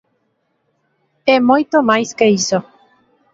É moito máis que iso.